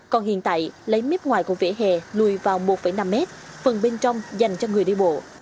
còn hiện tại lấy mếp ngoài của vỉa hè lùi vào một năm mét phần bên trong dành cho người đi bộ